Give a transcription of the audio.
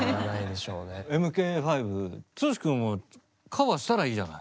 「ＭＫ５」剛くんもカバーしたらいいじゃない。